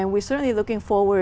trong năm chín mươi